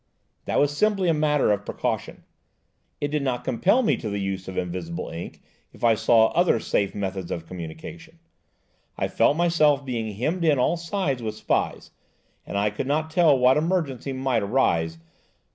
"That was simply a matter or precaution; it did not compel me to the use of invisible ink, if I saw other safe methods of communication. I felt myself being hemmed in on all sides with spies, and I could not tell what emergency might arise.